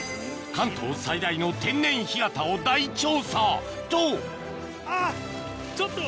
関東最大の天然干潟を大調査とあっちょっと！